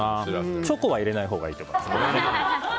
チョコは入れないほうがいいと思います。